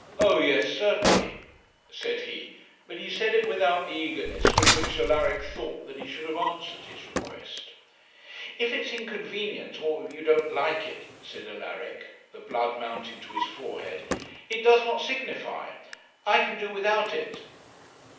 'O yes certainly,' said he; but he said it without the eagerness with which Alaric thought that he should have answered his request. 'If it's inconvenient, or if you don't like it,' said Alaric, the blood mounting to his forehead, 'it does not signify. I can do without it.'